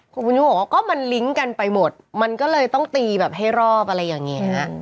คุณบุญยุ่งบอกว่าก็มันลิงก์กันไปหมดมันก็เลยต้องตีแบบให้รอบอะไรอย่างนี้